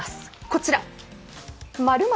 こちら。